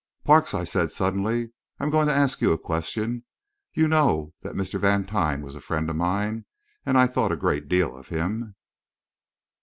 "Parks," I said, suddenly, "I'm going to ask you a question. You know that Mr. Vantine was a friend of mine, and I thought a great deal of him.